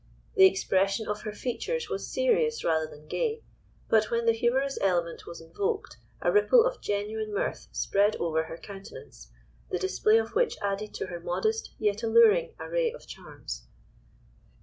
The expression of her features was serious rather than gay, but when the humorous element was invoked a ripple of genuine mirth spread over her countenance, the display of which added to her modest, yet alluring array of charms.